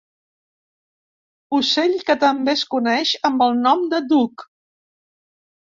Ocell que també es coneix amb el nom de duc.